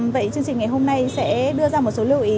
vậy chương trình ngày hôm nay sẽ đưa ra một số lưu ý